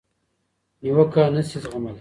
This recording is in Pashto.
نیوکه نشي زغملای.